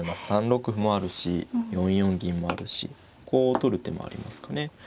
３六歩もあるし４四銀もあるしこう取る手もありますかね。